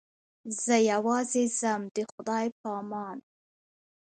زه یوازې ځم د خدای په امان.